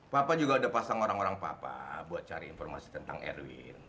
papa juga udah pasang orang orang papa buat cari informasi tentang erwin